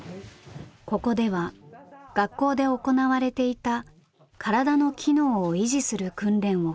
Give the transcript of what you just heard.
ここでは学校で行われていた体の機能を維持する訓練を継続して行っています。